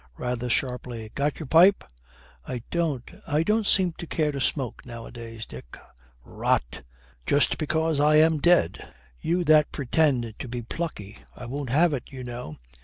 Rather sharply, 'Got your pipe?' 'I don't I don't seem to care to smoke nowadays, Dick.' 'Rot! Just because I am dead! You that pretend to be plucky! I won't have it, you know.